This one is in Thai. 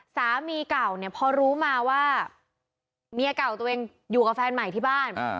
สามีเก่าเนี่ยพอรู้มาว่าเมียเก่าตัวเองอยู่กับแฟนใหม่ที่บ้าน